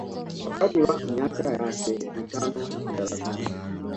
wakati wa miaka yake mitano madarakani